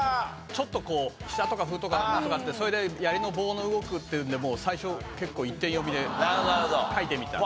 ちょっとこう「飛車」とか「歩」とかなんとかってそれで「槍の棒の動く」っていうのでもう最初結構一点読みで書いてみた。